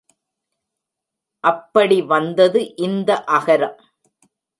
அப்படி வந்தது இந்த அகரம்.